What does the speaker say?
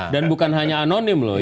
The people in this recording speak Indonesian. dan bukan hanya anonim loh